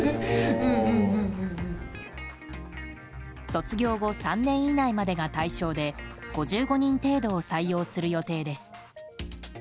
卒業後３年以内までが対象で５５人程度を採用する予定です。